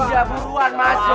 ya buruan masuk